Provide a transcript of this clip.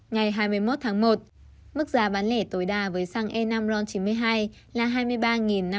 ngày hai mươi một một một xăng e năm ron chín mươi hai được bán ra với giá bán không cao hơn hai mươi ba tám trăm bảy mươi sáu đồng một lit